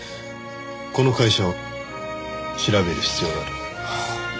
「この会社を調べる必要がある」